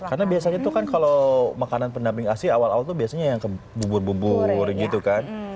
karena biasanya itu kan kalau makanan pendamping asi awal awal itu biasanya yang kebubur bubur gitu kan